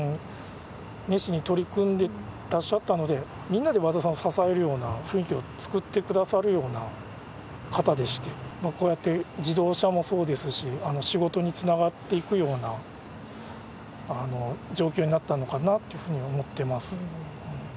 みんなで和田さんを支えるような雰囲気を作ってくださるような方でしてこうやって自動車もそうですし仕事につながっていくような状況になったのかなというふうに思ってます。